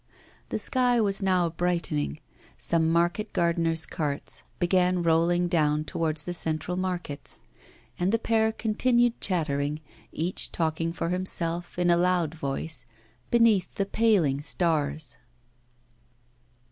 The sky was now brightening, some market gardeners' carts began rolling down towards the central markets; and the pair continued chattering, each talking for himself, in a loud voice, beneath the paling stars.